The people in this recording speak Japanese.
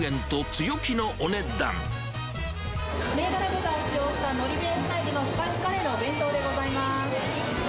銘柄豚を使用したのり弁スタイルのスパイスカレーのお弁当でございます。